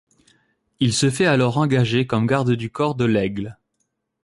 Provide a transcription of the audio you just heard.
Il se fait alors engager comme garde du corps de Lègle.